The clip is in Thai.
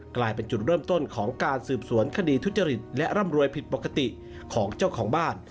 กลายเป็นจุดเริ่มต้นของการสืบสวนคดีทุจริตและร่ำรวยผิดปกติของเจ้าของบ้าน